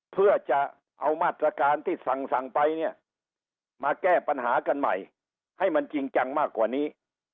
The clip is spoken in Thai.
เพื่อจะเอามาตรการที่สั่งไปเนี่ยมาแก้ปัญหากันใหม่ให้มันจริงจังมากกว่านี้